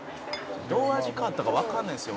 「どう味変わったかわかんないんですよ